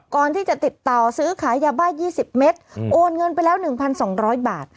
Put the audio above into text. ก่อนที่จะติดต่อซื้อขายยาบ้า๒๐เมตรโอนเงินไปแล้ว๑๒๐๐บาท